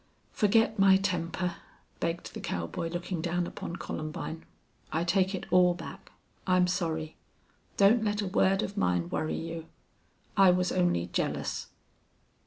"Forget my temper," begged the cowboy, looking down upon Columbine. "I take it all back. I'm sorry. Don't let a word of mine worry you. I was only jealous."